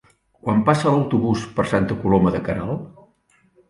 Quan passa l'autobús per Santa Coloma de Queralt?